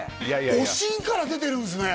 「おしん」から出てるんですね